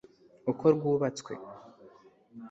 uko rwubatswe